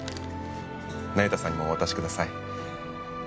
那由他さんにもお渡しください